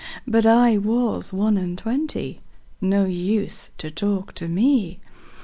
'But I was one and twenty, No use to talk to me.